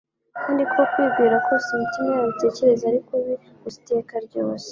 kandi ko kwibwira kose imitima yabo itekereza ari kubi gusa iteka ryose.'"